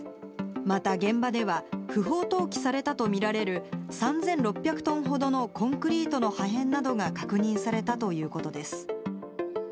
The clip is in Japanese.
また現場では、不法投棄されたと見られる３６００トンほどのコンクリートの破片などが確認されたということです。